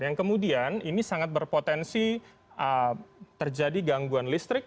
yang kemudian ini sangat berpotensi terjadi gangguan listrik